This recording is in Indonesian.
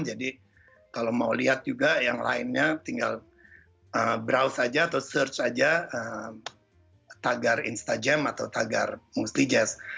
jadi kalau mau lihat juga yang lainnya tinggal browse aja atau search aja tagar instajam atau tagar mostly jazz